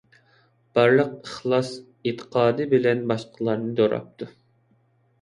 بارلىق ئىخلاس - ئېتىقادى بىلەن باشقىلارنى دوراپتۇ.